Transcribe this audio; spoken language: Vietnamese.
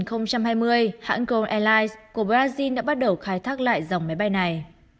cảm ơn các bạn đã theo dõi và hẹn gặp lại trong các video tiếp theo trên kênh lalaschool để không bỏ lỡ những video hấp dẫn